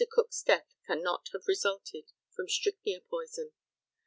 Cook's death cannot have resulted from strychnia poison.